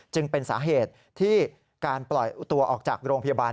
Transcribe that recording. จึงเป็นสาเหตุที่การปล่อยตัวออกจากโรงพยาบาล